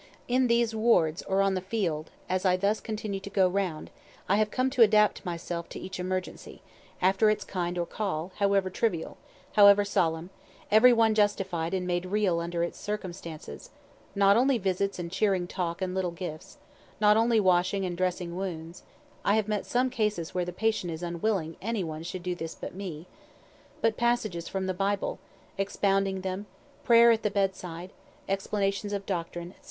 In these wards, or on the field, as I thus continue to go round, I have come to adapt myself to each emergency, after its kind or call, however trivial, however solemn, every one justified and made real under its circumstances not only visits and cheering talk and little gifts not only washing and dressing wounds, (I have some cases where the patient is unwilling any one should do this but me) but passages from the Bible, expounding them, prayer at the bedside, explanations of doctrine, &c.